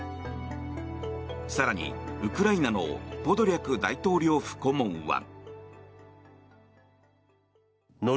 更に、ウクライナのポドリャク大統領府顧問は。